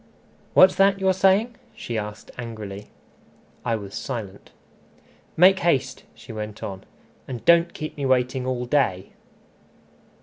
"What's that you're saying?" she asked angrily. I was silent. "Make haste," she went on, "and don't keep me waiting all day."